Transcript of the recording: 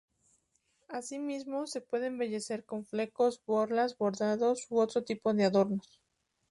Así mismo, se puede embellecer con flecos, borlas, bordados u otro tipo de adornos.